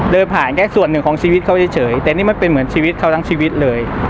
เดินผ่านแค่ส่วนหนึ่งของชีวิตเขาเฉยแต่นี่มันเป็นเหมือนชีวิตเขาทั้งชีวิตเลย